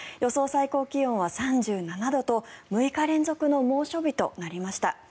最高気温は３７度と６日連続の猛暑日となりました。